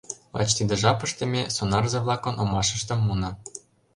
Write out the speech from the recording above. Лач тиде жапыште ме сонарзе-влакын омашыштым муна.